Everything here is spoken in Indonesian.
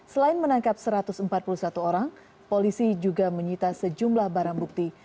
selain menangkap satu ratus empat puluh satu orang polisi juga menyita sejumlah barang bukti